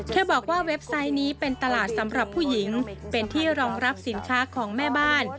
เธอบอกว่าเว็บไซต์นี้เป็นตลาดสำหรับผู้หญิงเป็นที่รองรับสินค้าของแม่บ้าน